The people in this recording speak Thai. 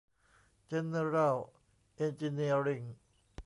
เจนเนอรัล เอนจิเนียริ่ง